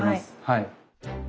はい。